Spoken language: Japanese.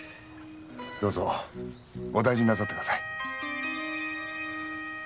どうぞお大事になさってください。